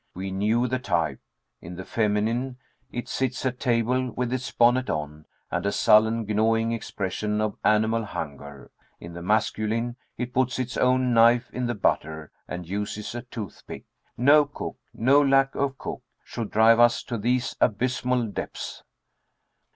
We knew the type; in the feminine, it sits at table with its bonnet on, and a sullen gnawing expression of animal hunger; in the masculine, it puts its own knife in the butter, and uses a toothpick. No cook no lack of cook should drive us to these abysmal depths.